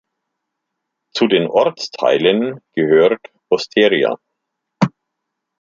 Zu den Ortsteilen gehört Osteria.